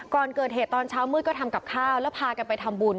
ก่อนเกิดเหตุตอนเช้ามืดก็ทำกับข้าวแล้วพากันไปทำบุญ